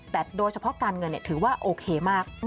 แต่โดยเฉพาะการเงินถือว่าโอเคมาก